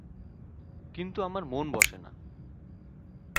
কিন্তু আমার মন বসে না।